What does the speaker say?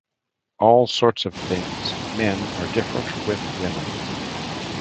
All sorts of things... Men are different with women.